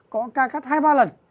có cắt hai ba lần